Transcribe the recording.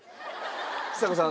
ちさ子さん